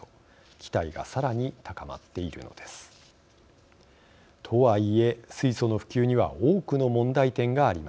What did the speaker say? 期待がさらに高まっているのです。とは言え水素の普及には多くの問題点があります。